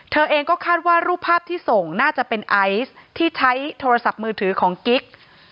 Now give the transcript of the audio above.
เธอเองก็คาดว่ารูปภาพที่ส่งน่าจะเป็นไอซ์ที่ใช้โทรศัพท์มือถือของกิ๊ก